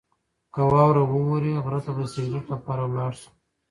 که واوره ووري، غره ته به د سکرت لپاره لاړ شو.